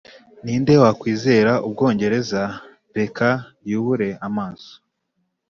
ninde wakwizera ubwongereza, reka yubure amaso